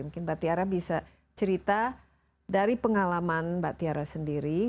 mungkin mbak tiara bisa cerita dari pengalaman mbak tiara sendiri